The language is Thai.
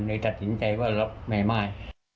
เลยตัดสินใจว่าไม่